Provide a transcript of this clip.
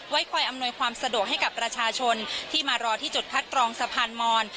คอยอำนวยความสะดวกให้กับประชาชนที่มารอที่จุดคัดกรองสะพานมอน